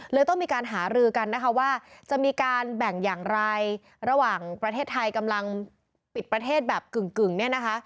ต้องมีการหารือกันนะคะว่าจะมีการแบ่งอย่างไรระหว่างประเทศไทยกำลังปิดประเทศแบบกึ่งเนี่ยนะคะ